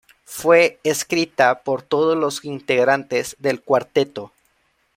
Fue escrita por todos los integrantes del cuarteto.